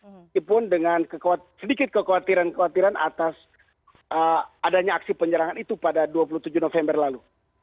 meskipun dengan sedikit kekhawatiran kekhawatiran atas adanya aksi penyerangan itu pada dua puluh tujuh november lalu